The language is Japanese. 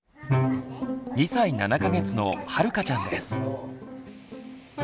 ２歳７か月のはるかちゃんです。